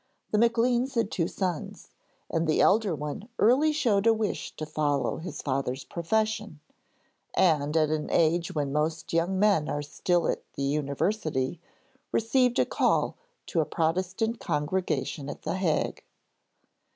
The Macleans had two sons, and the elder one early showed a wish to follow his father's profession, and, at an age when most young men are still at the University, received a 'call' to a Protestant congregation at the Hague.